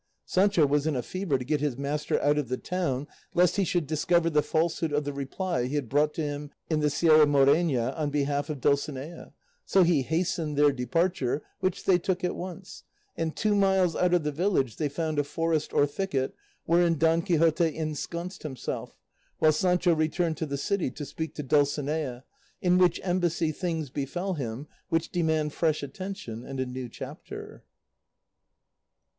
Sancho was in a fever to get his master out of the town, lest he should discover the falsehood of the reply he had brought to him in the Sierra Morena on behalf of Dulcinea; so he hastened their departure, which they took at once, and two miles out of the village they found a forest or thicket wherein Don Quixote ensconced himself, while Sancho returned to the city to speak to Dulcinea, in which embassy things befell him which demand fresh attention and a new chapter.